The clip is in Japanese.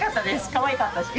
かわいかったし。